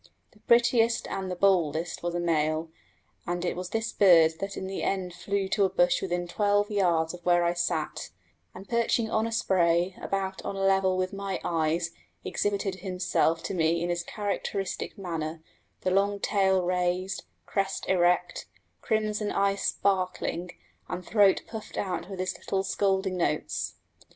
The prettiest and the boldest was a male, and it was this bird that in the end flew to a bush within twelve yards of where I sat, and perching on a spray about on a level with my eyes exhibited himself to me in his characteristic manner, the long tail raised, crest erect, crimson eye sparkling, and throat puffed out with his little scolding notes.